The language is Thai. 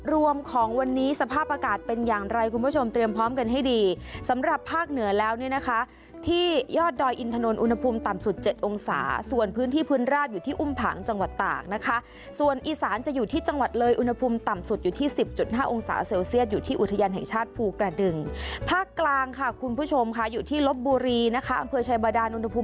รวมของวันนี้สภาพอากาศเป็นอย่างไรคุณผู้ชมเตรียมพร้อมกันให้ดีสำหรับภาคเหนือแล้วนี่นะคะที่ยอดดอยอินถนนอุณหภูมิต่ำสุด๗องศาส่วนพื้นที่พื้นราบอยู่ที่อุ่มผังจังหวัดตากนะคะส่วนอีสานจะอยู่ที่จังหวัดเลยอุณหภูมิต่ำสุดอยู่ที่๑๐๕องศาเซลเซียสอยู่ที่อุทยานแห่งชาติภูกระด